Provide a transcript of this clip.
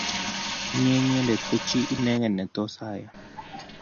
Inye inyendet ko chi ineke ne tos ayan